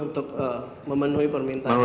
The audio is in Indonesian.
untuk memenuhi permintaan keluarga